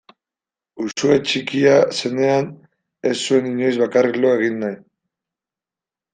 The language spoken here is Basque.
Uxue txikia zenean ez zuen inoiz bakarrik lo egin nahi.